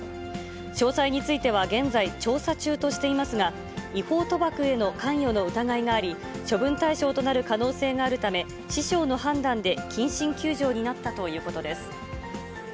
詳細については現在、調査中としていますが、違法賭博への関与の疑いがあり、処分対象となる可能性があるため、師匠の判断で謹慎休場になったということです。